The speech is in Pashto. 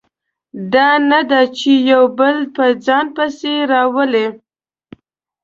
دا نه ده چې یو بل په ځان پسې راولي.